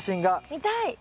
見たい！